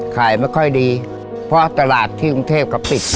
ขายไม่ค่อยดีเพราะตลาดที่กรุงเทพก็ปิด